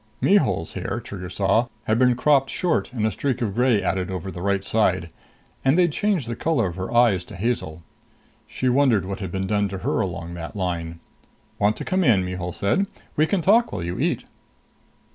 Mihul's hair, Trigger saw, had been cropped short and a streak of gray added over the right side; and they'd changed the color of her eyes to hazel. She wondered what had been done to her along that line. "Want to come in?" Mihul said. "We can talk while you eat."